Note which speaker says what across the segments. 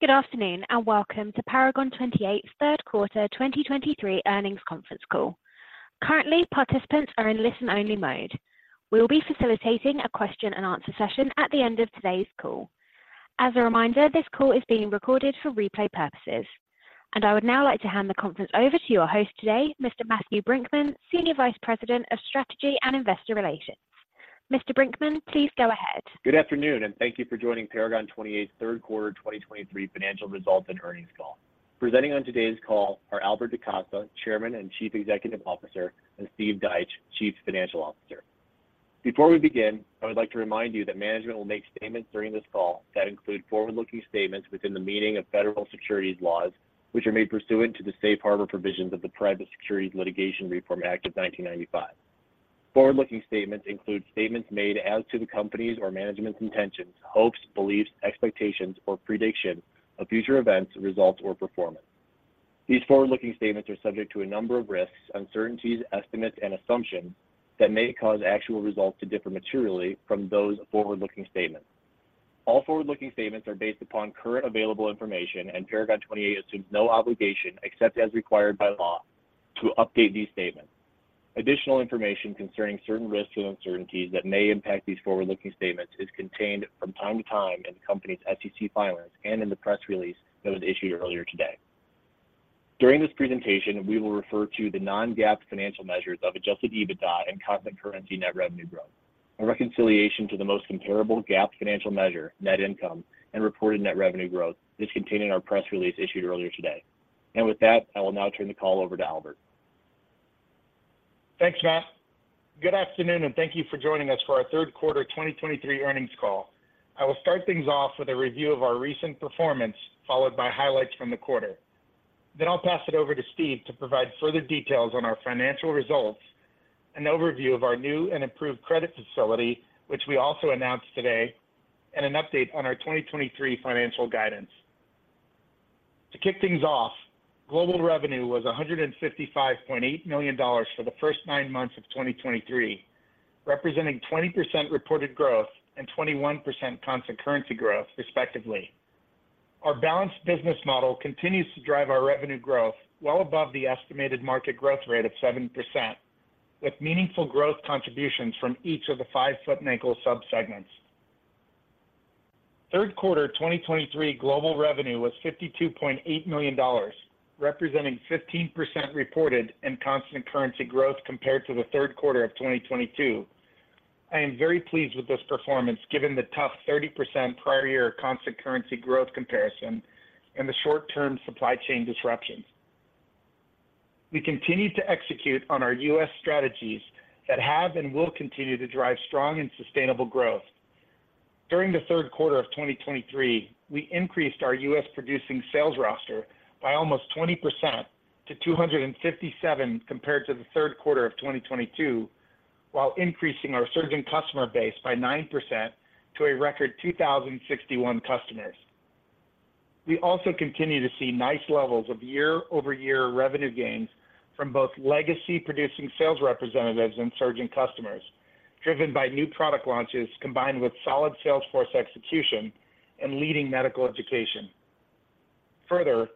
Speaker 1: Good afternoon, and Welcome to Paragon 28's Third Quarter 2023 Earnings Conference Call. Currently, participants are in listen-only mode. We will be facilitating a question-and-answer session at the end of today's call. As a reminder, this call is being recorded for replay purposes. I would now like to hand the conference over to your host today, Mr. Matthew Brinckman, Senior Vice President of Strategy and Investor Relations. Mr. Brinckman, please go ahead.
Speaker 2: Good afternoon, and thank you for joining Paragon 28's Third Quarter 2023 Financial Results and Earnings Call. Presenting on today's call are Albert DaCosta, Chairman and Chief Executive Officer, and Steve Deitsch, Chief Financial Officer. Before we begin, I would like to remind you that management will make statements during this call that include forward-looking statements within the meaning of federal securities laws, which are made pursuant to the Safe Harbor provisions of the Private Securities Litigation Reform Act of 1995. Forward-looking statements include statements made as to the company's or management's intentions, hopes, beliefs, expectations, or predictions of future events, results, or performance. These forward-looking statements are subject to a number of risks, uncertainties, estimates, and assumptions that may cause actual results to differ materially from those forward-looking statements. All forward-looking statements are based upon current available information, and Paragon 28 assumes no obligation, except as required by law, to update these statements. Additional information concerning certain risks and uncertainties that may impact these forward-looking statements is contained from time to time in the company's SEC filings and in the press release that was issued earlier today. During this presentation, we will refer to the non-GAAP financial measures of Adjusted EBITDA and constant currency net revenue growth. A reconciliation to the most comparable GAAP financial measure, net income and reported net revenue growth, is contained in our press release issued earlier today. With that, I will now turn the call over to Albert.
Speaker 3: Thanks, Matt. Good afternoon, and thank you for joining us for our third quarter 2023 earnings call. I will start things off with a review of our recent performance, followed by highlights from the quarter. Then I'll pass it over to Steve to provide further details on our financial results, an overview of our new and improved credit facility, which we also announced today, and an update on our 2023 financial guidance. To kick things off, global revenue was $155.8 million for the first nine months of 2023, representing 20% reported growth and 21% constant currency growth, respectively. Our balanced business model continues to drive our revenue growth well above the estimated market growth rate of 7%, with meaningful growth contributions from each of the five foot and ankle subsegments. Third quarter 2023 global revenue was $52.8 million, representing 15% reported and constant currency growth compared to the third quarter of 2022. I am very pleased with this performance, given the tough 30% prior year constant currency growth comparison and the short-term supply chain disruptions. We continued to execute on our U.S. strategies that have and will continue to drive strong and sustainable growth. During the third quarter of 2023, we increased our U.S. producing sales roster by almost 20% to 257 compared to the third quarter of 2022, while increasing our surgeon customer base by 9% to a record 2,061 customers. We also continue to see nice levels of year-over-year revenue gains from both legacy producing sales representatives and surgeon customers, driven by new product launches, combined with solid sales force execution and leading medical education. Further,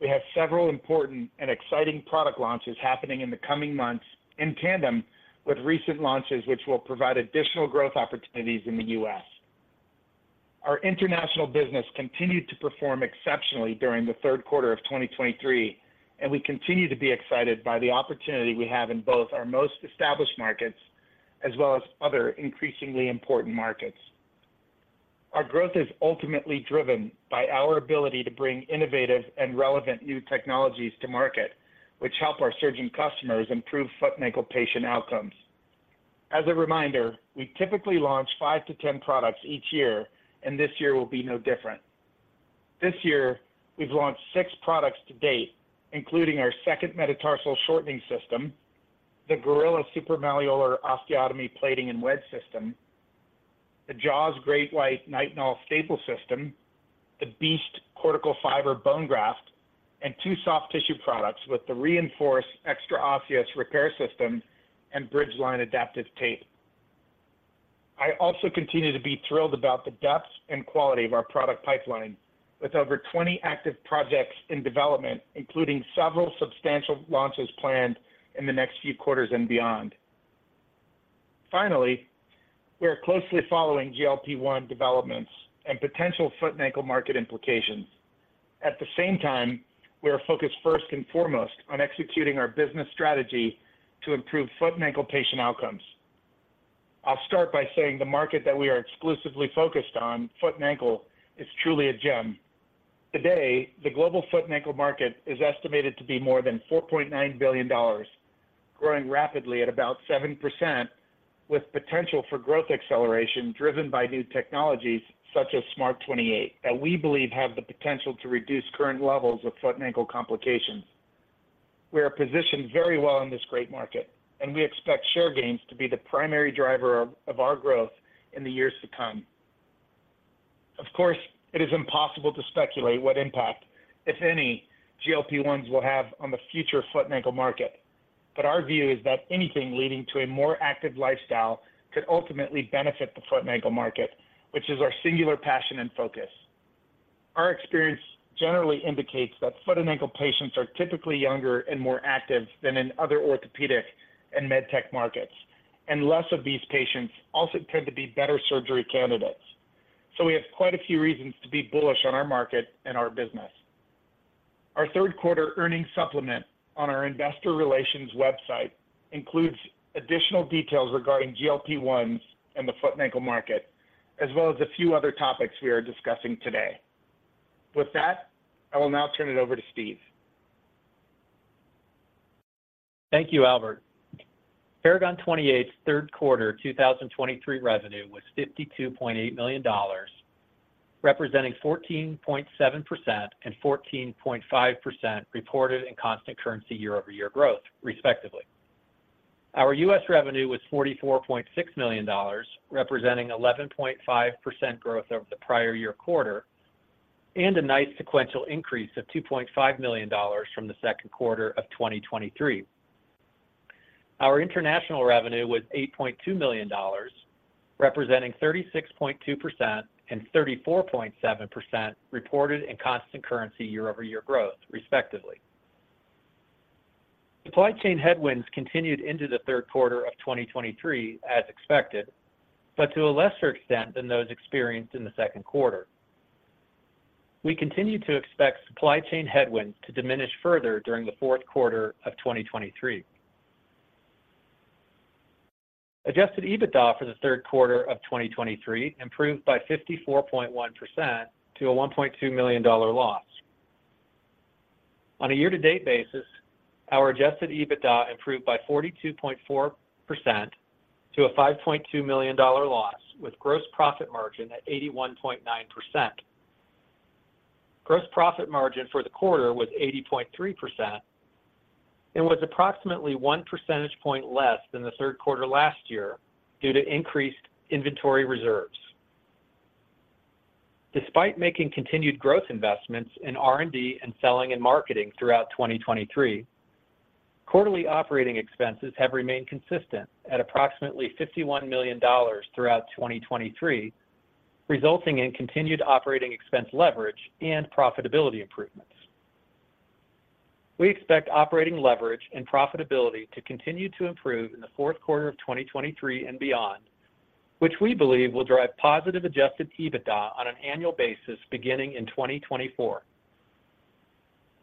Speaker 3: we have several important and exciting product launches happening in the coming months in tandem with recent launches, which will provide additional growth opportunities in the U.S. Our international business continued to perform exceptionally during the third quarter of 2023, and we continue to be excited by the opportunity we have in both our most established markets as well as other increasingly important markets. Our growth is ultimately driven by our ability to bring innovative and relevant new technologies to market, which help our surgeon customers improve foot and ankle patient outcomes. As a reminder, we typically launch five to 10 products each year, and this year will be no different. This year, we've launched six products to date, including our Second Metatarsal Shortening System, the Gorilla Supramalleolar Osteotomy Plating and Wedge System, the Jaws Great White Nitinol Staple System, the BEAST Cortical Fiber bone graft, and two soft tissue products with the R3INFORCE Extraosseous Repair System and Bridgeline Adaptive Tape. I also continue to be thrilled about the depth and quality of our product pipeline, with over 20 active projects in development, including several substantial launches planned in the next few quarters and beyond. Finally, we are closely following GLP-1 developments and potential foot and ankle market implications. At the same time, we are focused first and foremost on executing our business strategy to improve foot and ankle patient outcomes. I'll start by saying the market that we are exclusively focused on, foot and ankle, is truly a gem. Today, the global foot and ankle market is estimated to be more than $4.9 billion, growing rapidly at about 7%, with potential for growth acceleration driven by new technologies such as SMART 28, that we believe have the potential to reduce current levels of foot and ankle complications. We are positioned very well in this great market, and we expect share gains to be the primary driver of our growth in the years to come. Of course, it is impossible to speculate what impact, if any, GLP-1s will have on the future foot and ankle market. But our view is that anything leading to a more active lifestyle could ultimately benefit the foot and ankle market, which is our singular passion and focus. Our experience generally indicates that foot and ankle patients are typically younger and more active than in other orthopedic and med tech markets, and less of these patients also tend to be better surgery candidates. So we have quite a few reasons to be bullish on our market and our business. Our third quarter earnings supplement on our investor relations website includes additional details regarding GLP-1s and the foot and ankle market, as well as a few other topics we are discussing today. With that, I will now turn it over to Steve.
Speaker 4: Thank you, Albert. Paragon 28's third quarter 2023 revenue was $52.8 million, representing 14.7% and 14.5% reported in constant currency year-over-year growth, respectively. Our U.S. revenue was $44.6 million, representing 11.5% growth over the prior year quarter, and a nice sequential increase of $2.5 million from the second quarter of 2023. Our international revenue was $8.2 million, representing 36.2% and 34.7% reported in constant currency year-over-year growth, respectively. Supply chain headwinds continued into the third quarter of 2023 as expected, but to a lesser extent than those experienced in the second quarter. We continue to expect supply chain headwinds to diminish further during the fourth quarter of 2023. Adjusted EBITDA for the third quarter of 2023 improved by 54.1% to a $1.2 million loss. On a year-to-date basis, our adjusted EBITDA improved by 42.4% to a $5.2 million loss, with gross profit margin at 81.9%. Gross profit margin for the quarter was 80.3% and was approximately one percentage point less than the third quarter last year due to increased inventory reserves. Despite making continued growth investments in R&D and selling and marketing throughout 2023, quarterly operating expenses have remained consistent at approximately $51 million throughout 2023, resulting in continued operating expense leverage and profitability improvements. We expect operating leverage and profitability to continue to improve in the fourth quarter of 2023 and beyond, which we believe will drive positive Adjusted EBITDA on an annual basis beginning in 2024.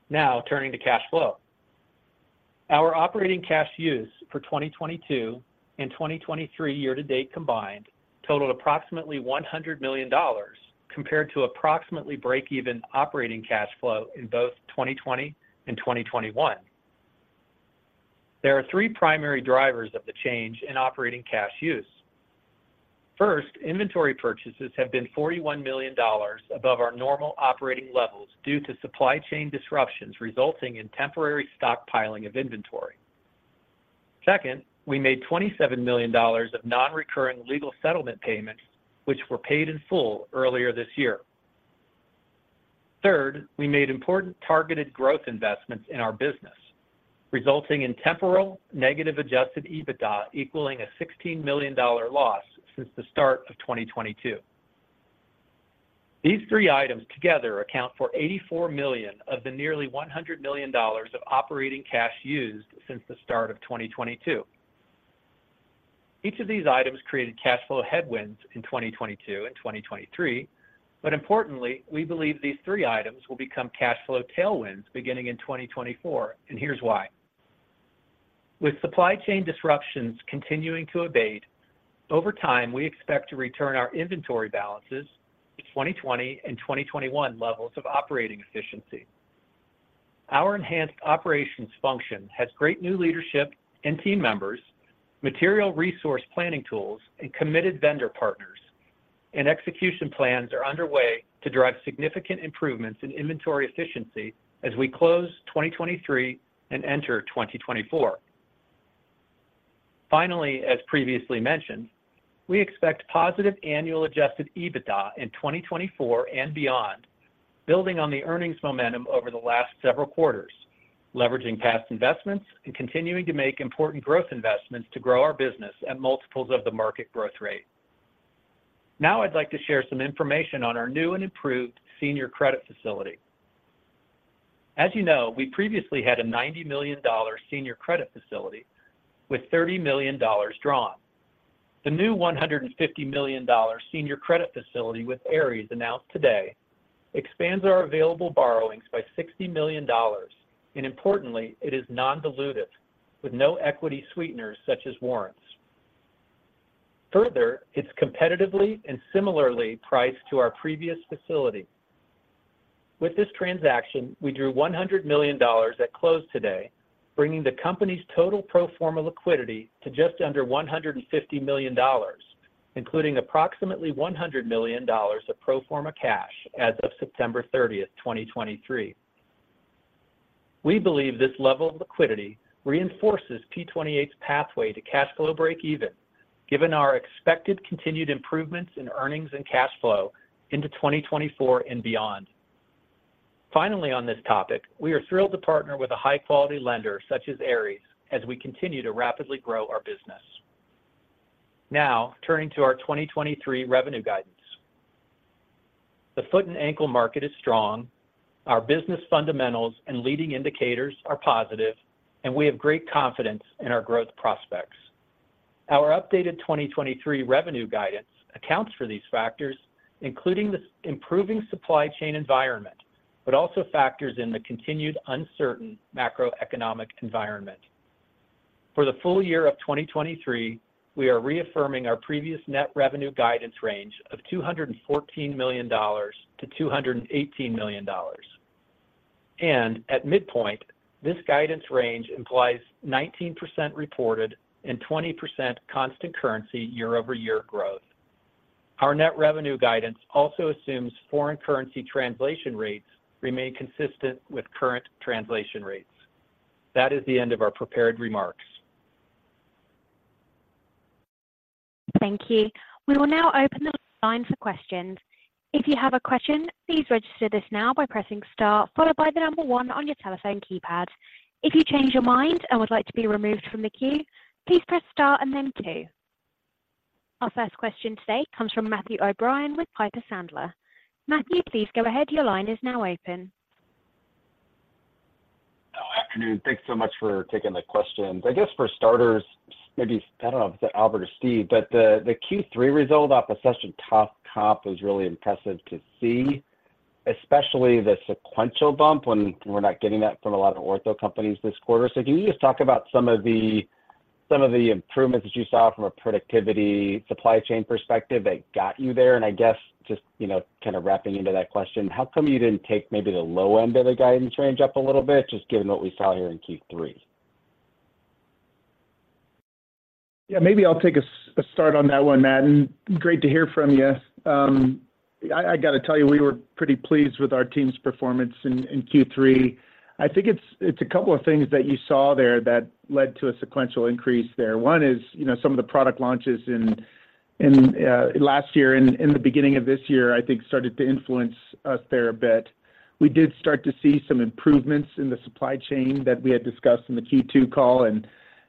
Speaker 4: Now, turning to cash flow. Our operating cash use for 2022 and 2023 year to date combined totaled approximately $100 million, compared to approximately break-even operating cash flow in both 2020 and 2021. There are three primary drivers of the change in operating cash use. First, inventory purchases have been $41 million above our normal operating levels due to supply chain disruptions, resulting in temporary stockpiling of inventory. Second, we made $27 million of non-recurring legal settlement payments, which were paid in full earlier this year. Third, we made important targeted growth investments in our business, resulting in temporal negative Adjusted EBITDA, equaling a $16 million loss since the start of 2022. These three items together account for $84 million of the nearly $100 million of operating cash used since the start of 2022. Each of these items created cash flow headwinds in 2022 and 2023. But importantly, we believe these three items will become cash flow tailwinds beginning in 2024, and here's why. With supply chain disruptions continuing to abate, over time, we expect to return our inventory balances to 2020 and 2021 levels of operating efficiency. Our enhanced operations function has great new leadership and team members, Material Resource Planning tools, and committed vendor partners. Execution plans are underway to drive significant improvements in inventory efficiency as we close 2023 and enter 2024. Finally, as previously mentioned, we expect positive annual Adjusted EBITDA in 2024 and beyond, building on the earnings momentum over the last several quarters, leveraging past investments and continuing to make important growth investments to grow our business at multiples of the market growth rate. Now, I'd like to share some information on our new and improved senior credit facility. As you know, we previously had a $90 million senior credit facility with $30 million drawn. The new $150 million senior credit facility with Ares, announced today, expands our available borrowings by $60 million, and importantly, it is non-dilutive, with no equity sweeteners such as warrants. Further, it's competitively and similarly priced to our previous facility. With this transaction, we drew $100 million at close today, bringing the company's total pro forma liquidity to just under $150 million, including approximately $100 million of pro forma cash as of September 30, 2023. We believe this level of liquidity reinforces P28's pathway to cash flow break even, given our expected continued improvements in earnings and cash flow into 2024 and beyond....
Speaker 3: Finally, on this topic, we are thrilled to partner with a high-quality lender such as Ares, as we continue to rapidly grow our business. Now, turning to our 2023 revenue guidance. The foot and ankle market is strong, our business fundamentals and leading indicators are positive, and we have great confidence in our growth prospects. Our updated 2023 revenue guidance accounts for these factors, including the improving supply chain environment, but also factors in the continued uncertain macroeconomic environment. For the full year of 2023, we are reaffirming our previous net revenue guidance range of $214 million-$218 million. And at midpoint, this guidance range implies 19% reported and 20% constant currency year-over-year growth. Our net revenue guidance also assumes foreign currency translation rates remain consistent with current translation rates. That is the end of our prepared remarks.
Speaker 1: Thank you. We will now open the line for questions. If you have a question, please register this now by pressing star, followed by the number one on your telephone keypad. If you change your mind and would like to be removed from the queue, please press star and then two. Our first question today comes from Matthew O'Brien with Piper Sandler. Matthew, please go ahead. Your line is now open.
Speaker 5: Oh, afternoon. Thanks so much for taking the questions. I guess, for starters, maybe, I don't know, if it's Albert or Steve, but the Q3 result off such a tough comp was really impressive to see, especially the sequential bump when we're not getting that from a lot of ortho companies this quarter. So can you just talk about some of the improvements that you saw from a productivity supply chain perspective that got you there? And I guess, just, you know, kind of wrapping into that question, how come you didn't take maybe the low end of the guidance range up a little bit, just given what we saw here in Q3?
Speaker 3: Yeah, maybe I'll take a start on that one, Matt, and great to hear from you. I got to tell you, we were pretty pleased with our team's performance in Q3. I think it's a couple of things that you saw there that led to a sequential increase there. One is, you know, some of the product launches in last year and the beginning of this year, I think, started to influence us there a bit. We did start to see some improvements in the supply chain that we had discussed in the Q2 call, and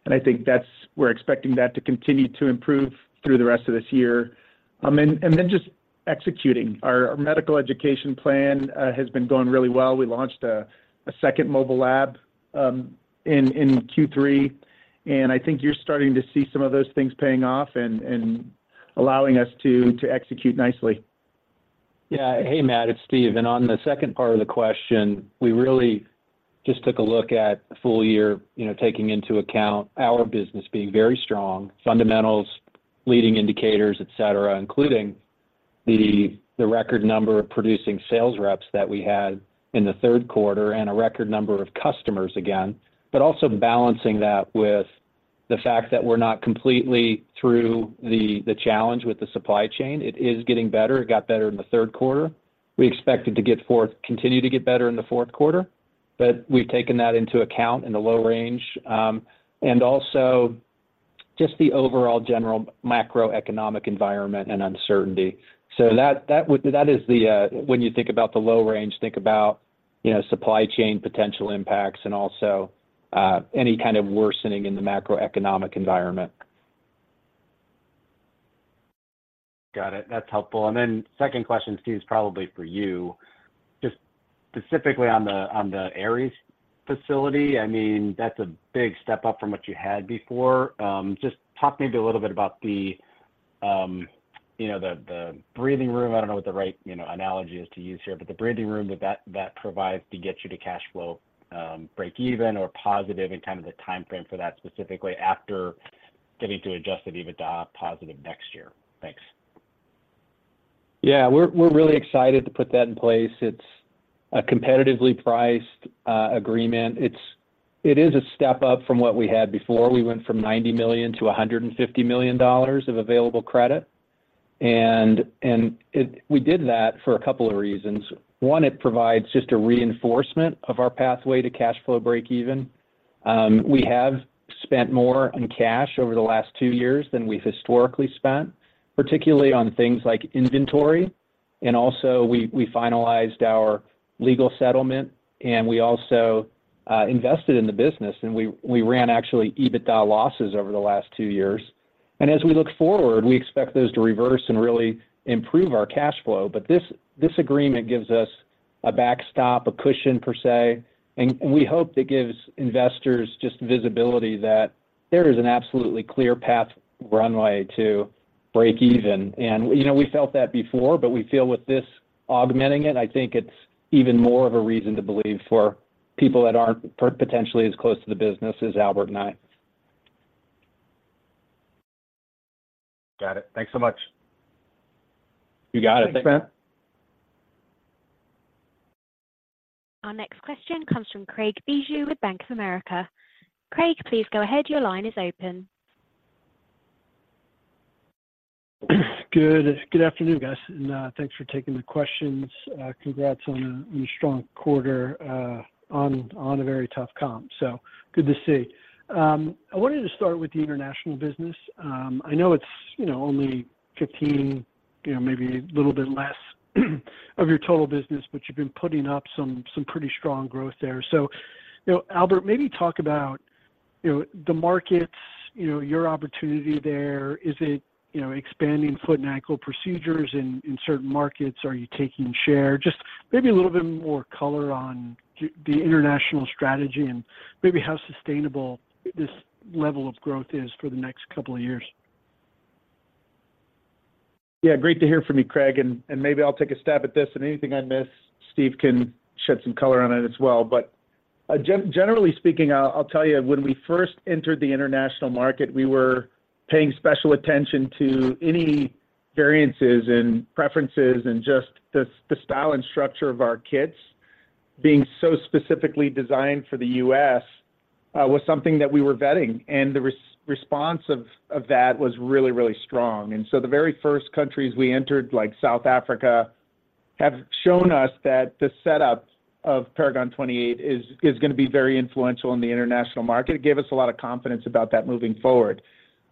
Speaker 3: I think that's-- we're expecting that to continue to improve through the rest of this year. And then just executing. Our medical education plan has been going really well. We launched a second mobile lab in Q3, and I think you're starting to see some of those things paying off and allowing us to execute nicely.
Speaker 4: Yeah. Hey, Matt, it's Steve. And on the second part of the question, we really just took a look at the full year, you know, taking into account our business being very strong, fundamentals, leading indicators, et cetera, including the record number of producing sales reps that we had in the third quarter and a record number of customers again. But also balancing that with the fact that we're not completely through the challenge with the supply chain. It is getting better. It got better in the third quarter. We expect it to continue to get better in the fourth quarter, but we've taken that into account in the low range. And also just the overall general macroeconomic environment and uncertainty. When you think about the low range, think about, you know, supply chain potential impacts and also any kind of worsening in the macroeconomic environment.
Speaker 5: Got it. That's helpful. And then second question, Steve, is probably for you. Just specifically on the, on the Ares facility, I mean, that's a big step up from what you had before. Just talk maybe a little bit about the, you know, the, the breathing room. I don't know what the right, you know, analogy is to use here, but the breathing room that that, that provides to get you to cash flow, breakeven or positive and kind of the time frame for that, specifically after getting to Adjusted EBITDA positive next year. Thanks.
Speaker 4: Yeah, we're, we're really excited to put that in place. It's a competitively priced agreement. It's. It is a step up from what we had before. We went from $90 million to $150 million of available credit, and it-- we did that for a couple of reasons. One, it provides just a reinforcement of our pathway to cash flow breakeven. We have spent more on cash over the last two years than we've historically spent, particularly on things like inventory. And also we, we finalized our legal settlement, and we also invested in the business, and we, we ran actually EBITDA losses over the last two years. And as we look forward, we expect those to reverse and really improve our cash flow. But this, this agreement gives us a backstop, a cushion per se, and we hope it gives investors just visibility that there is an absolutely clear path runway to breakeven. And, you know, we felt that before, but we feel with this augmenting it, I think it's even more of a reason to believe for people that aren't potentially as close to the business as Albert and I.
Speaker 5: Got it. Thanks so much.
Speaker 4: You got it.
Speaker 3: Thanks, Matt.
Speaker 1: Our next question comes from Craig Bijou with Bank of America. Craig, please go ahead. Your line is open.
Speaker 6: Good afternoon, guys, and thanks for taking the questions. Congrats on a strong quarter on a very tough comp. So good to see. I wanted to start with the international business. I know it's, you know, only 15, you know, maybe a little bit less, of your total business, but you've been putting up some pretty strong growth there. So, you know, Albert, maybe talk about the markets, you know, your opportunity there, is it, you know, expanding foot and ankle procedures in certain markets? Are you taking share? Just maybe a little bit more color on the international strategy and maybe how sustainable this level of growth is for the next couple of years.
Speaker 3: Yeah, great to hear from you, Craig, and maybe I'll take a stab at this, and anything I miss, Steve can shed some color on it as well. But, generally speaking, I'll tell you, when we first entered the international market, we were paying special attention to any variances and preferences, and just the style and structure of our kits being so specifically designed for the U.S., was something that we were vetting, and the response of that was really, really strong. And so the very first countries we entered, like South Africa, have shown us that the setup of Paragon 28 is going to be very influential in the international market. It gave us a lot of confidence about that moving forward.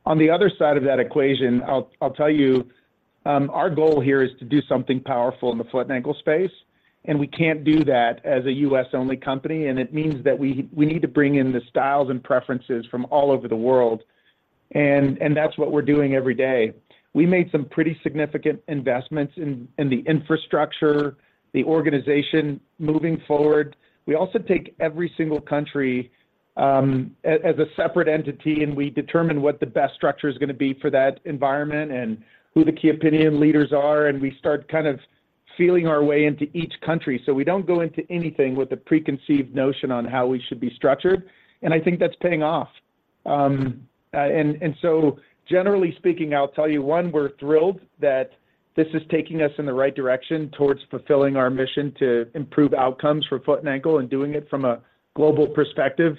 Speaker 3: On the other side of that equation, I'll tell you, our goal here is to do something powerful in the foot and ankle space, and we can't do that as a U.S.-only company, and it means that we need to bring in the styles and preferences from all over the world. That's what we're doing every day. We made some pretty significant investments in the infrastructure, the organization moving forward. We also take every single country as a separate entity, and we determine what the best structure is going to be for that environment and who the key opinion leaders are, and we start kind of feeling our way into each country. So we don't go into anything with a preconceived notion on how we should be structured, and I think that's paying off. So, generally speaking, I'll tell you, one, we're thrilled that this is taking us in the right direction towards fulfilling our mission to improve outcomes for foot and ankle and doing it from a global perspective.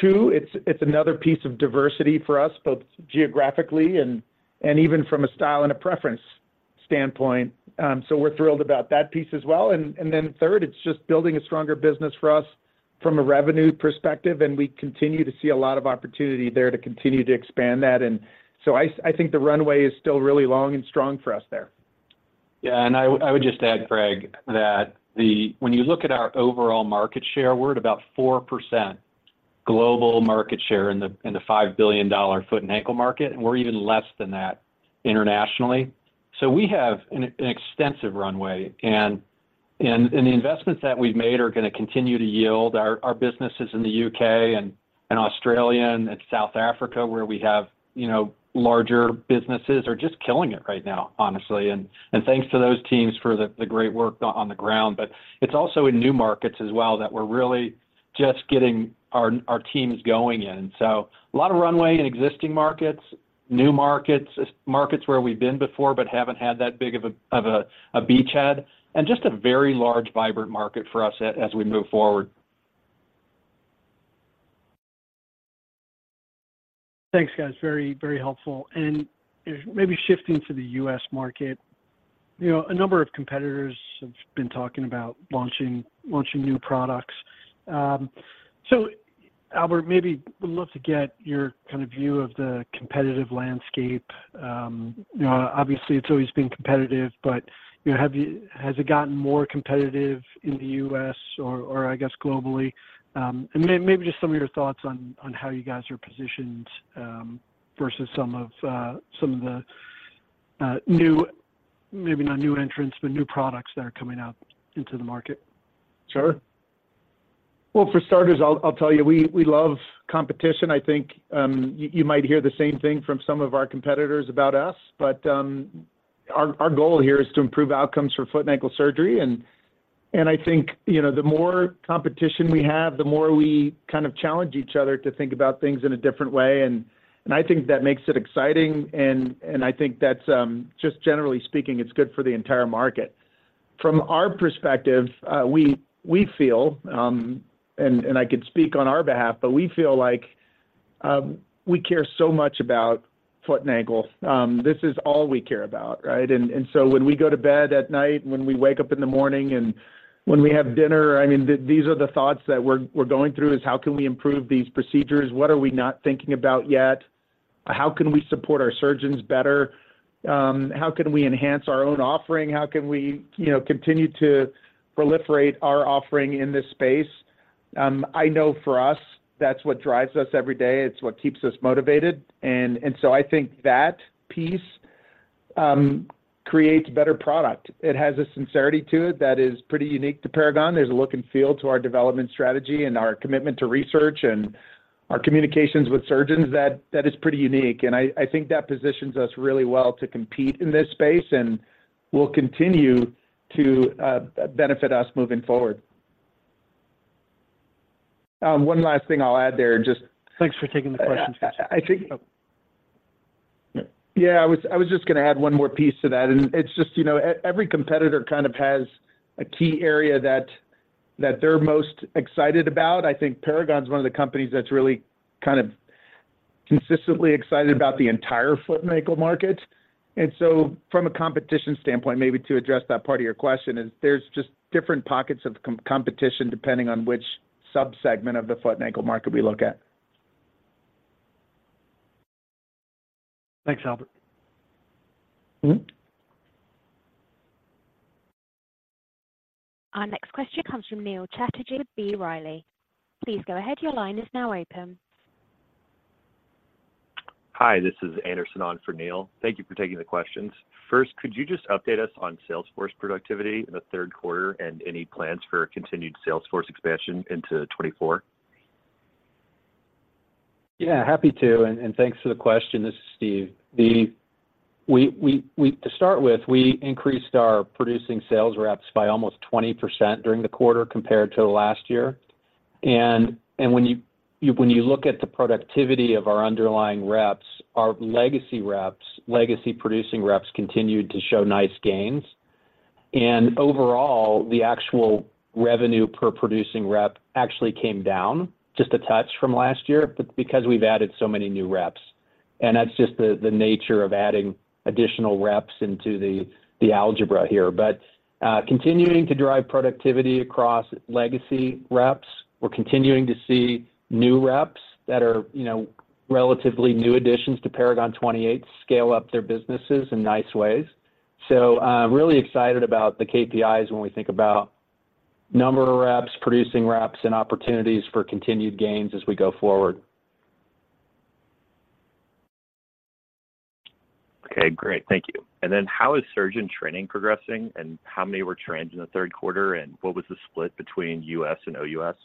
Speaker 3: Two, it's another piece of diversity for us, both geographically and even from a style and a preference standpoint. So we're thrilled about that piece as well. And then third, it's just building a stronger business for us from a revenue perspective, and we continue to see a lot of opportunity there to continue to expand that. And so I think the runway is still really long and strong for us there.
Speaker 4: Yeah, and I, I would just add, Craig, that the, when you look at our overall market share, we're at about 4% global market share in the, in the $5 billion foot and ankle market, and we're even less than that internationally. So we have an, an extensive runway, and, and, and the investments that we've made are going to continue to yield. Our, our businesses in the U.K. and in Australia and, and South Africa, where we have, you know, larger businesses, are just killing it right now, honestly. And, and thanks to those teams for the, the great work on the ground. But it's also in new markets as well that we're really just getting our, our teams going in. So a lot of runway in existing markets, new markets, markets where we've been before but haven't had that big of a beachhead, and just a very large, vibrant market for us as we move forward.
Speaker 6: Thanks, guys. Very, very helpful. And maybe shifting to the U.S. market, you know, a number of competitors have been talking about launching new products. So Albert, maybe would love to get your kind of view of the competitive landscape. You know, obviously, it's always been competitive, but, you know, has it gotten more competitive in the U.S. or, or I guess, globally? And maybe just some of your thoughts on how you guys are positioned, vs some of the new, maybe not new entrants, but new products that are coming out into the market.
Speaker 3: Sure. Well, for starters, I'll tell you, we love competition. I think you might hear the same thing from some of our competitors about us, but our goal here is to improve outcomes for foot and ankle surgery. And I think, you know, the more competition we have, the more we kind of challenge each other to think about things in a different way, and I think that makes it exciting, and I think that's just generally speaking, it's good for the entire market. From our perspective, we feel, and I could speak on our behalf, but we feel like we care so much about foot and ankle. This is all we care about, right? So when we go to bed at night, when we wake up in the morning, and when we have dinner, I mean, these are the thoughts that we're going through: How can we improve these procedures? What are we not thinking about yet? How can we support our surgeons better? How can we enhance our own offering? How can we, you know, continue to proliferate our offering in this space? I know for us, that's what drives us every day. It's what keeps us motivated. And so I think that piece creates better product. It has a sincerity to it that is pretty unique to Paragon. There's a look and feel to our development strategy and our commitment to research and our communications with surgeons that is pretty unique, and I think that positions us really well to compete in this space and will continue to benefit us moving forward. One last thing I'll add there, just-
Speaker 6: Thanks for taking the questions, guys.
Speaker 3: I think... Yeah, I was just going to add one more piece to that, and it's just, you know, every competitor kind of has a key area that they're most excited about. I think Paragon is one of the companies that's really kind of consistently excited about the entire foot and ankle market. And so from a competition standpoint, maybe to address that part of your question, is there's just different pockets of competition, depending on which subsegment of the foot and ankle market we look at.
Speaker 6: Thanks, Albert.
Speaker 3: Mm-hmm?...
Speaker 1: Our next question comes from Neil Chatterjee with B. Riley. Please go ahead. Your line is now open.
Speaker 7: Hi, this is Anderson on for Neil. Thank you for taking the questions. First, could you just update us on sales force productivity in the third quarter and any plans for continued sales force expansion into 2024?
Speaker 4: Yeah, happy to, and thanks for the question. This is Steve. We, to start with, we increased our producing sales reps by almost 20% during the quarter compared to last year. And when you look at the productivity of our underlying reps, our legacy reps, legacy producing reps continued to show nice gains. And overall, the actual revenue per producing rep actually came down just a touch from last year, but because we've added so many new reps. And that's just the nature of adding additional reps into the algebra here. But continuing to drive productivity across legacy reps, we're continuing to see new reps that are, you know, relatively new additions to Paragon 28, scale up their businesses in nice ways. So, really excited about the KPIs when we think about number of reps, producing reps, and opportunities for continued gains as we go forward.
Speaker 7: Okay, great. Thank you. And then how is surgeon training progressing, and how many were trained in the third quarter, and what was the split between U.S. and OUS?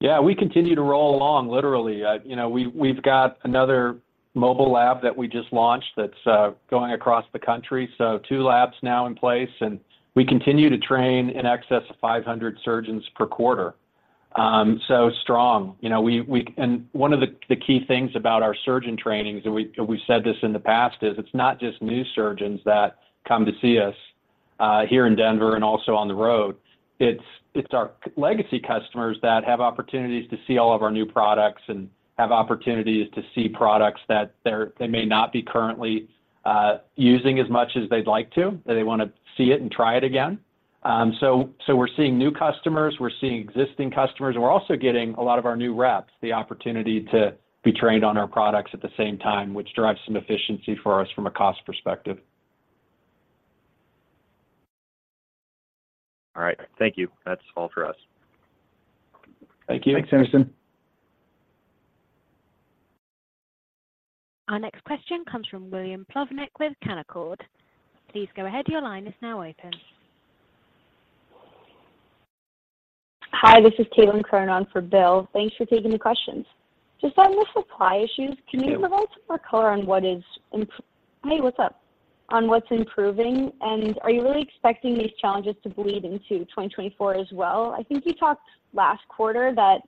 Speaker 4: Yeah, we continue to roll along, literally. You know, we've got another mobile lab that we just launched that's going across the country. So two labs now in place, and we continue to train in excess of 500 surgeons per quarter. So strong. You know, and one of the key things about our surgeon trainings, and we've said this in the past, is it's not just new surgeons that come to see us here in Denver and also on the road. It's our legacy customers that have opportunities to see all of our new products and have opportunities to see products that they may not be currently using as much as they'd like to, that they want to see it and try it again. So, we're seeing new customers, we're seeing existing customers, and we're also getting a lot of our new reps the opportunity to be trained on our products at the same time, which drives some efficiency for us from a cost perspective.
Speaker 7: All right. Thank you. That's all for us.
Speaker 4: Thank you.
Speaker 1: Thanks, Anderson. Our next question comes from William Plovanic with Canaccord. Please go ahead. Your line is now open.
Speaker 8: Hi, this is Caitlin Cronin for Will. Thanks for taking the questions. Just on the supply issues-
Speaker 4: Yeah.
Speaker 8: Can you provide some more color on what's improving, and are you really expecting these challenges to bleed into 2024 as well? I think you talked last quarter that,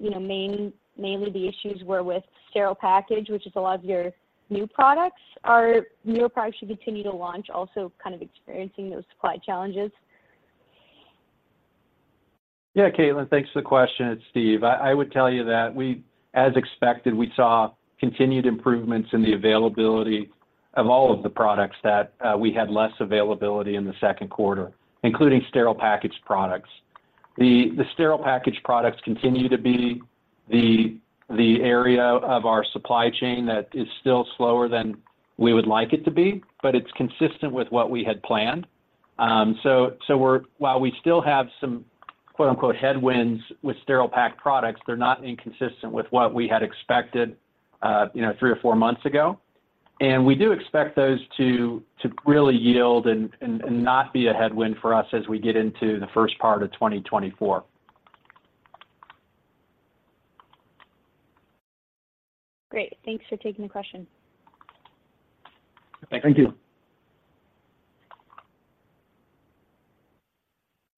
Speaker 8: you know, mainly the issues were with sterile package, which is a lot of your new products. Are newer products you continue to launch, also kind of experiencing those supply challenges?
Speaker 4: Yeah, Caitlin, thanks for the question. It's Steve. I would tell you that we, as expected, saw continued improvements in the availability of all of the products that we had less availability in the second quarter, including sterile packaged products. The sterile packaged products continue to be the area of our supply chain that is still slower than we would like it to be, but it's consistent with what we had planned. So, while we still have some quote-unquote, "headwinds" with sterile packed products, they're not inconsistent with what we had expected, you know, three or four months ago. And we do expect those to really yield and not be a headwind for us as we get into the first part of 2024.
Speaker 8: Great. Thanks for taking the question.
Speaker 4: Thank you.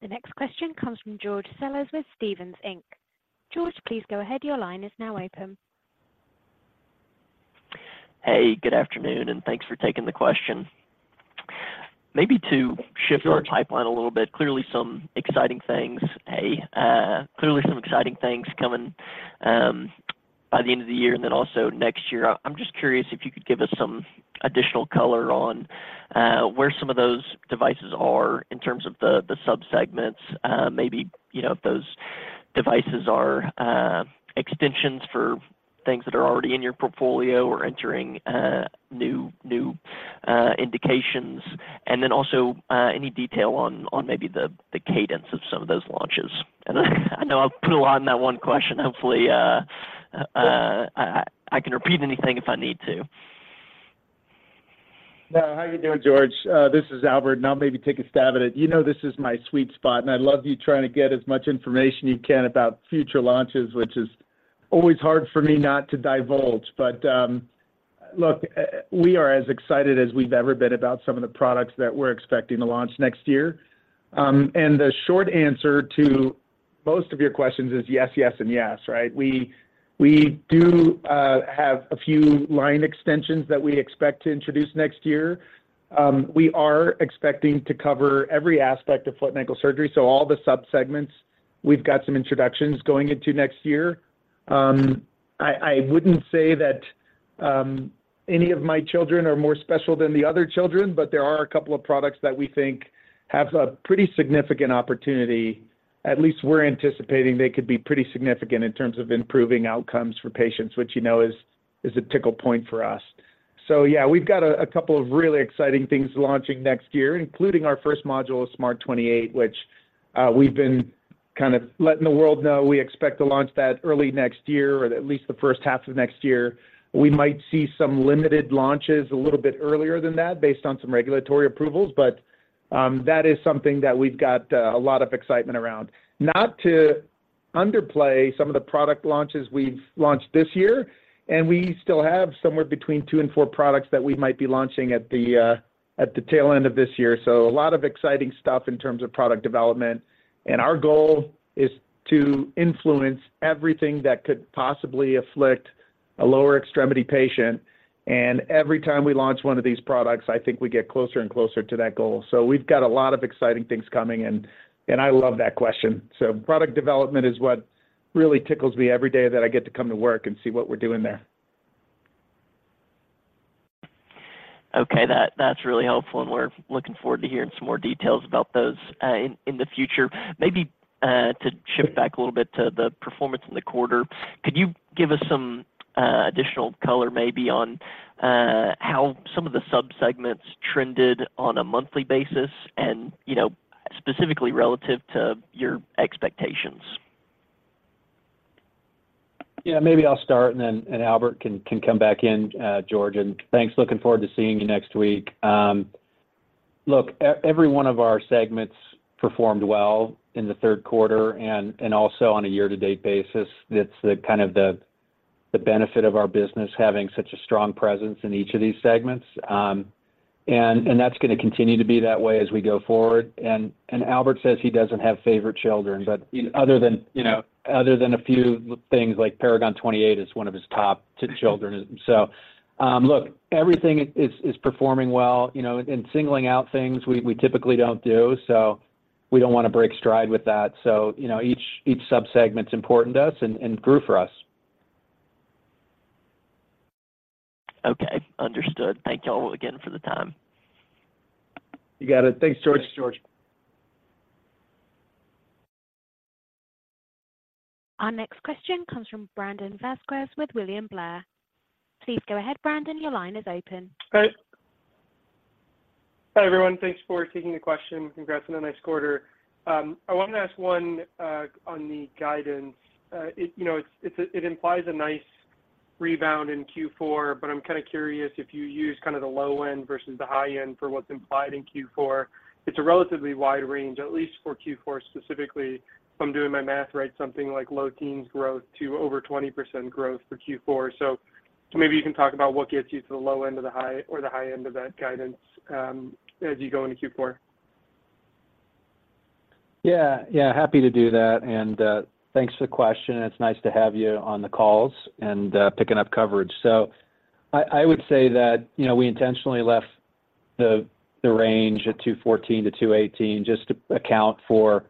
Speaker 1: The next question comes from George Sellers with Stephens Inc. George, please go ahead. Your line is now open.
Speaker 9: Hey, good afternoon, and thanks for taking the question. Maybe to shift our pipeline a little bit, clearly some exciting things. Clearly some exciting things coming by the end of the year, and then also next year. I'm just curious if you could give us some additional color on where some of those devices are in terms of the subsegments. Maybe, you know, if those devices are extensions for things that are already in your portfolio or entering new indications. And then also any detail on maybe the cadence of some of those launches. And I know I've put a lot in that one question. Hopefully I can repeat anything if I need to.
Speaker 4: No, how are you doing, George? This is Albert, and I'll maybe take a stab at it. You know, this is my sweet spot, and I love you trying to get as much information you can about future launches, which is always hard for me not to divulge. But, look, we are as excited as we've ever been about some of the products that we're expecting to launch next year. And the short answer to most of your questions is yes, yes, and yes, right? We, we do have a few line extensions that we expect to introduce next year. We are expecting to cover every aspect of foot and ankle surgery, so all the subsegments, we've got some introductions going into next year. I wouldn't say that any of my children are more special than the other children, but there are a couple of products that we think have a pretty significant opportunity. At least we're anticipating they could be pretty significant in terms of improving outcomes for patients, which, you know, is a tickle point for us....
Speaker 3: So yeah, we've got a couple of really exciting things launching next year, including our first module of SMART28, which we've been kind of letting the world know we expect to launch that early next year, or at least the first half of next year. We might see some limited launches a little bit earlier than that based on some regulatory approvals, but that is something that we've got a lot of excitement around. Not to underplay some of the product launches we've launched this year, and we still have somewhere between two and four products that we might be launching at the tail end of this year. So a lot of exciting stuff in terms of product development, and our goal is to influence everything that could possibly afflict a lower extremity patient. Every time we launch one of these products, I think we get closer and closer to that goal. So we've got a lot of exciting things coming and, and I love that question. So product development is what really tickles me every day that I get to come to work and see what we're doing there.
Speaker 9: Okay, that's really helpful, and we're looking forward to hearing some more details about those in the future. Maybe to shift back a little bit to the performance in the quarter, could you give us some additional color maybe on how some of the subsegments trended on a monthly basis and, you know, specifically relative to your expectations?
Speaker 3: Yeah, maybe I'll start, and then Albert can come back in, George, and thanks. Looking forward to seeing you next week. Look, every one of our segments performed well in the third quarter and also on a year-to-date basis. It's the kind of benefit of our business having such a strong presence in each of these segments. And that's going to continue to be that way as we go forward. And Albert says he doesn't have favorite children, but other than, you know, other than a few things like Paragon 28 is one of his top two children. So, look, everything is performing well, you know, and singling out things we typically don't do, so we don't want to break stride with that. So, you know, each subsegment is important to us and grew for us.
Speaker 9: Okay, understood. Thank you all again for the time.
Speaker 3: You got it. Thanks, George.
Speaker 10: Thanks, George.
Speaker 1: Our next question comes from Brandon Vazquez with William Blair. Please go ahead, Brandon, your line is open.
Speaker 11: Hi. Hi, everyone. Thanks for taking the question. Congrats on a nice quarter. I want to ask one, on the guidance. it, you know, it's, it implies a nice rebound in Q4, but I'm kinda curious if you use kind of the low end vs the high end for what's implied in Q4. It's a relatively wide range, at least for Q4 specifically. If I'm doing my math right, something like low teens growth to over 20% growth for Q4. So maybe you can talk about what gets you to the low end or the high, or the high end of that guidance, as you go into Q4.
Speaker 3: Yeah. Yeah, happy to do that, and thanks for the question, and it's nice to have you on the calls and picking up coverage. So I would say that, you know, we intentionally left the range at $214 million-$218 million just to account for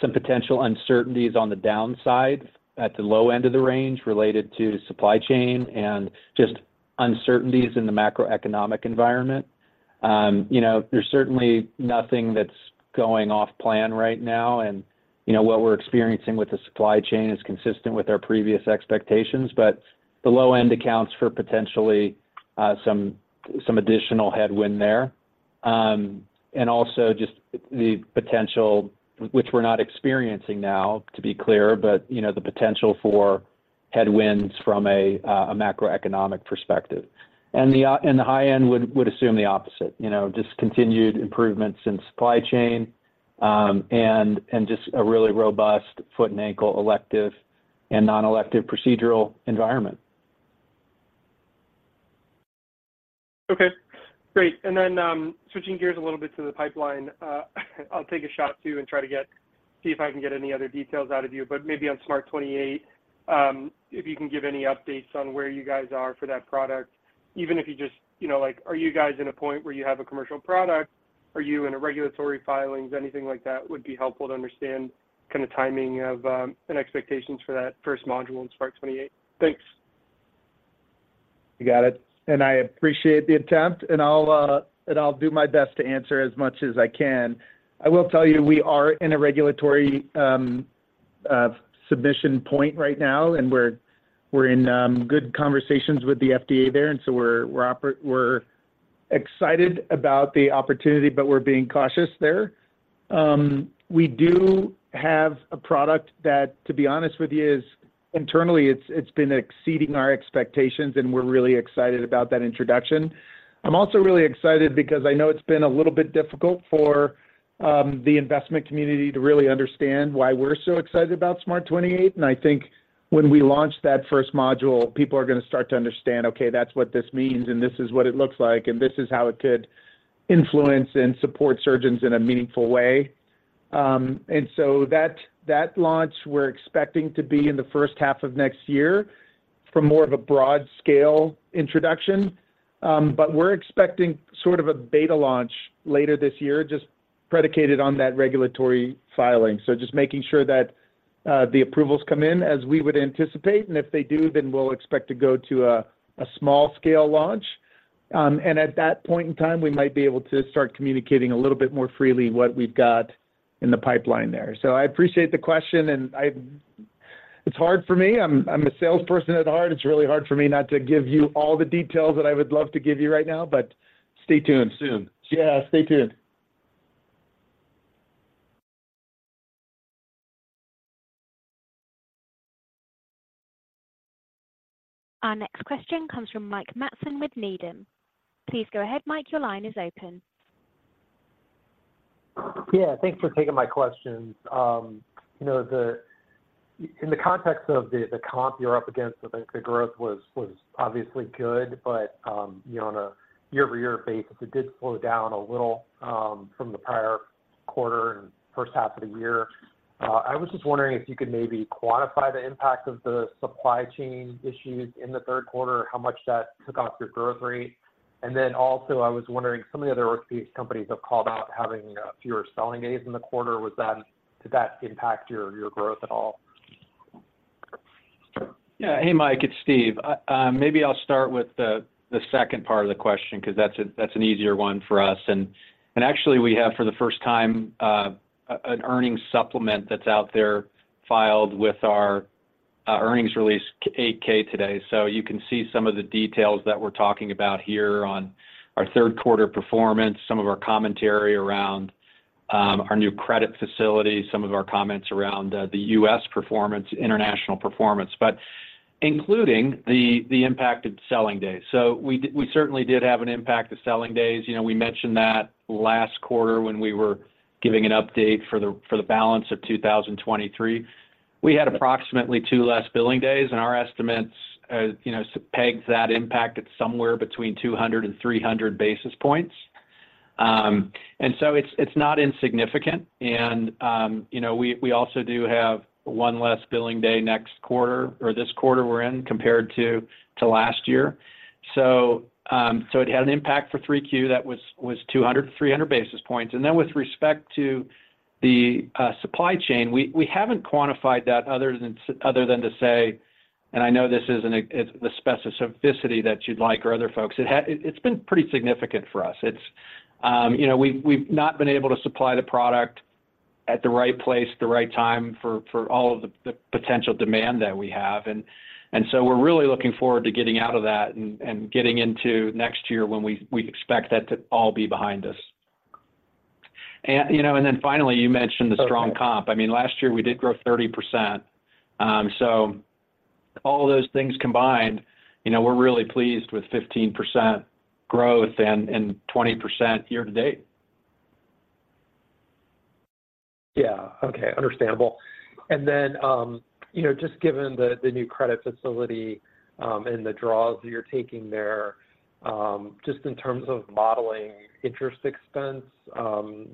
Speaker 3: some potential uncertainties on the downside at the low end of the range related to supply chain and just uncertainties in the macroeconomic environment. You know, there's certainly nothing that's going off plan right now, and, you know, what we're experiencing with the supply chain is consistent with our previous expectations, but the low end accounts for potentially some additional headwind there. And also just the potential, which we're not experiencing now, to be clear, but, you know, the potential for headwinds from a macroeconomic perspective. And the high end would assume the opposite. You know, just continued improvements in supply chain, and just a really robust foot and ankle elective and non-elective procedural environment.
Speaker 11: Okay, great. And then, switching gears a little bit to the pipeline, I'll take a shot, too, and try to get, see if I can get any other details out of you. But maybe on SMART28, if you can give any updates on where you guys are for that product, even if you just... You know, like, are you guys in a point where you have a commercial product? Are you in a regulatory filings? Anything like that would be helpful to understand kind of timing of, and expectations for that first module in SMART28. Thanks.
Speaker 3: You got it. And I appreciate the attempt, and I'll and I'll do my best to answer as much as I can. I will tell you, we are in a regulatory submission point right now, and we're in good conversations with the FDA there, and so we're excited about the opportunity, but we're being cautious there. We do have a product that, to be honest with you, is internally, it's been exceeding our expectations, and we're really excited about that introduction. I'm also really excited because I know it's been a little bit difficult for the investment community to really understand why we're so excited about SMART28, and I think when we launch that first module, people are going to start to understand, okay, that's what this means, and this is what it looks like, and this is how it could influence and support surgeons in a meaningful way. And so that, that launch, we're expecting to be in the first half of next year for more of a broad scale introduction. But we're expecting sort of a beta launch later this year, just predicated on that regulatory filing. So just making sure that the approvals come in as we would anticipate, and if they do, then we'll expect to go to a small scale launch. At that point in time, we might be able to start communicating a little bit more freely what we've got in the pipeline there. So I appreciate the question, and I-...
Speaker 12: It's hard for me. I'm, I'm a salesperson at heart. It's really hard for me not to give you all the details that I would love to give you right now, but stay tuned.
Speaker 4: Soon.
Speaker 12: Yeah, stay tuned.
Speaker 1: Our next question comes from Mike Matson with Needham. Please go ahead, Mike. Your line is open.
Speaker 10: Yeah, thanks for taking my questions. You know, in the context of the comp you're up against, I think the growth was obviously good, but you know, on a year-over-year basis, it did slow down a little from the prior quarter and first half of the year. I was just wondering if you could maybe quantify the impact of the supply chain issues in the third quarter, how much that took off your growth rate? And then also, I was wondering, some of the other companies have called out having fewer selling days in the quarter. Was that - did that impact your growth at all?
Speaker 4: Yeah. Hey, Mike, it's Steve. Maybe I'll start with the second part of the question 'cause that's an easier one for us. And actually we have, for the first time, an earnings supplement that's out there filed with our earnings release 8-K today. So you can see some of the details that we're talking about here on our third quarter performance, some of our commentary around our new credit facility, some of our comments around the U.S. performance, international performance, but including the impacted selling days. So we certainly did have an impact to selling days. You know, we mentioned that last quarter when we were giving an update for the balance of 2023. We had approximately two less billing days, and our estimates, you know, peg that impact at somewhere between 200 and 300 basis points. And so it's, it's not insignificant. And, you know, we, we also do have one less billing day next quarter, or this quarter we're in, compared to, to last year. So, so it had an impact for 3Q. That was, was 200-300 basis points. And then with respect to the, supply chain, we, we haven't quantified that other than, other than to say, and I know this isn't a- the specificity that you'd like or other folks. It ha- it's been pretty significant for us. It's, you know, we've not been able to supply the product at the right place, the right time for all of the potential demand that we have. And so we're really looking forward to getting out of that and getting into next year when we expect that to all be behind us. And, you know, then finally, you mentioned the strong comp.
Speaker 10: Okay.
Speaker 4: I mean, last year we did grow 30%. So all those things combined, you know, we're really pleased with 15% growth and, and 20% year to date.
Speaker 10: Yeah. Okay. Understandable. And then, you know, just given the new credit facility, and the draws you're taking there, just in terms of modeling interest expense,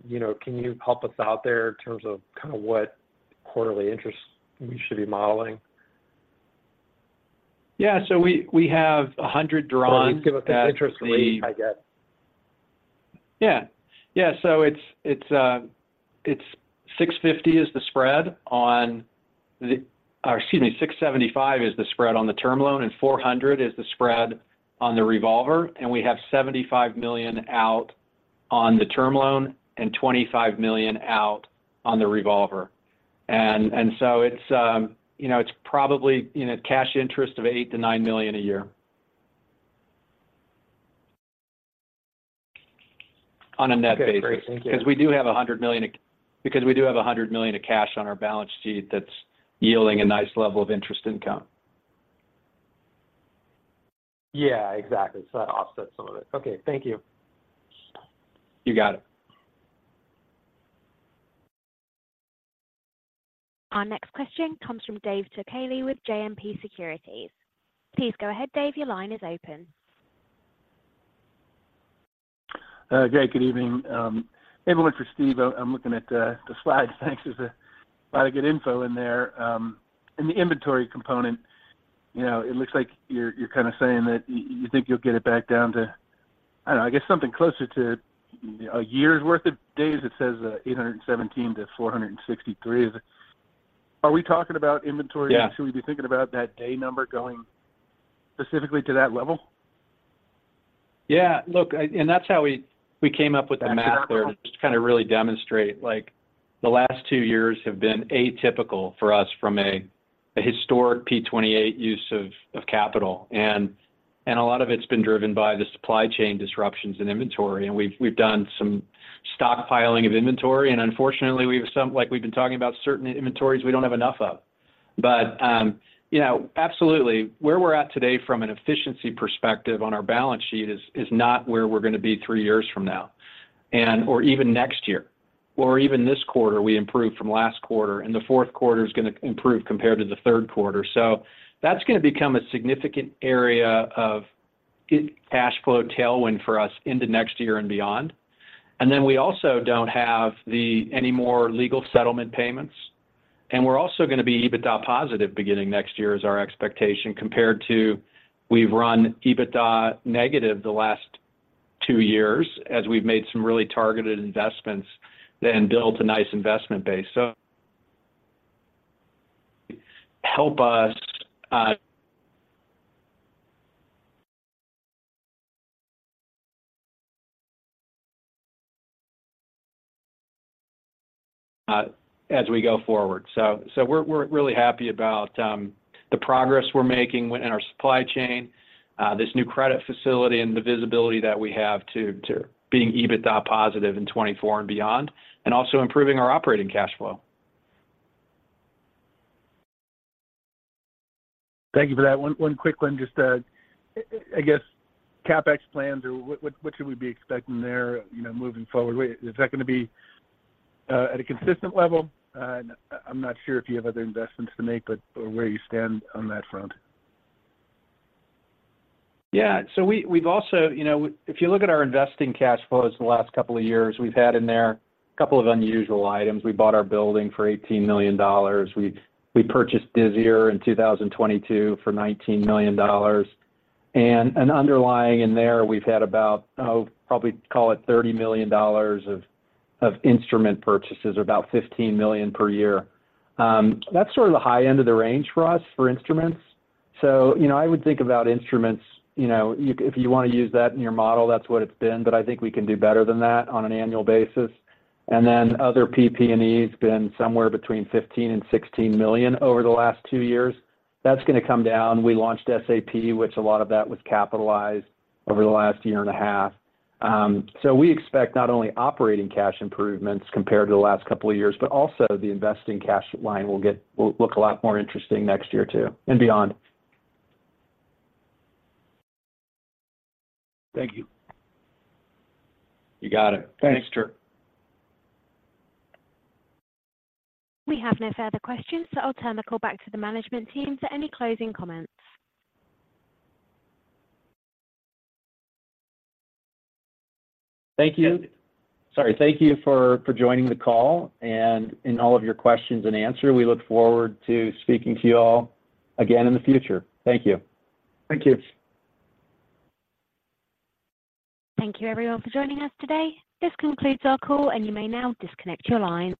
Speaker 10: you know, can you help us out there in terms of kind of what quarterly interest we should be modeling?
Speaker 4: Yeah. So we have 100 drawn that the-
Speaker 10: Or at least give us the interest rate, I get.
Speaker 4: Yeah. Yeah. So it's 650 is the spread on the, or excuse me, 675 is the spread on the term loan, and four hundred is the spread on the revolver, and we have $75 million out on the term loan and $25 million out on the revolver. And so it's, you know, it's probably, you know, cash interest of $8 million-$9 million a year on a net basis.
Speaker 10: Okay. Great, thank you.
Speaker 4: 'Cause we do have $100 million, because we do have $100 million of cash on our balance sheet that's yielding a nice level of interest income.
Speaker 10: Yeah, exactly. So that offsets some of it. Okay. Thank you.
Speaker 4: You got it.
Speaker 1: Our next question comes from Dave Turkaly with JMP Securities. Please go ahead, Dave, your line is open.
Speaker 13: Greg, good evening. Maybe one for Steve. I'm looking at the slides. Thanks. There's a lot of good info in there. In the inventory component, you know, it looks like you're kind of saying that you think you'll get it back down to, I don't know, I guess something closer to a year's worth of days. It says, 817-463. Are we talking about inventory?
Speaker 4: Yeah.
Speaker 13: Should we be thinking about that day number going specifically to that level?
Speaker 4: Yeah. Look, and that's how we came up with the math there.
Speaker 13: Gotcha...
Speaker 4: just to kind of really demonstrate, like, the last two years have been atypical for us from a historic P28 use of capital. And a lot of it's been driven by the supply chain disruptions in inventory, and we've done some stockpiling of inventory, and unfortunately, like, we've been talking about certain inventories we don't have enough of. But you know, absolutely, where we're at today from an efficiency perspective on our balance sheet is not where we're going to be three years from now, or even next year, or even this quarter. We improved from last quarter, and the fourth quarter is going to improve compared to the third quarter. So that's going to become a significant area of cash flow tailwind for us into next year and beyond. And then we also don't have any more legal settlement payments, and we're also going to be EBITDA positive beginning next year is our expectation, compared to we've run EBITDA negative the last two years, as we've made some really targeted investments and built a nice investment base. So as we go forward. So we're really happy about the progress we're making within our supply chain, this new credit facility and the visibility that we have to being EBITDA positive in 2024 and beyond, and also improving our operating cash flow.
Speaker 13: Thank you for that. One quick one, just, I guess, CapEx plans or what should we be expecting there, you know, moving forward? Is that gonna be at a consistent level? I'm not sure if you have other investments to make, but where you stand on that front.
Speaker 4: Yeah. So we, we've also, you know, if you look at our investing cash flows the last couple of years, we've had in there a couple of unusual items. We bought our building for $18 million. We purchased Disior in 2022 for $19 million. And underlying in there, we've had about, oh, probably call it $30 million of instrument purchases, or about $15 million per year. That's sort of the high end of the range for us for instruments. So, you know, I would think about instruments, you know, if you want to use that in your model, that's what it's been, but I think we can do better than that on an annual basis. And then other PP&E has been somewhere between $15 million and $16 million over the last two years. That's gonna come down. We launched SAP, which a lot of that was capitalized over the last year and a half. So we expect not only operating cash improvements compared to the last couple of years, but also the investing cash line will look a lot more interesting next year, too, and beyond.
Speaker 13: Thank you.
Speaker 4: You got it.
Speaker 13: Thanks.
Speaker 4: Sure.
Speaker 1: We have no further questions, so I'll turn the call back to the management team for any closing comments.
Speaker 3: Thank you. Sorry. Thank you for joining the call and in all of your questions and answer. We look forward to speaking to you all again in the future. Thank you.
Speaker 13: Thank you.
Speaker 1: Thank you everyone for joining us today. This concludes our call, and you may now disconnect your line.